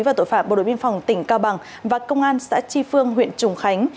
và tội phạm bộ đội biên phòng tỉnh cao bằng và công an xã tri phương huyện trùng khánh